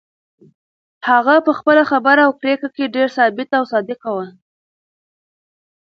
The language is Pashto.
هغه په خپله خبره او پرېکړه کې ډېره ثابته او صادقه وه.